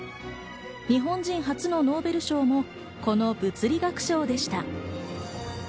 日本人初のノーベル賞もこの物理学賞でした。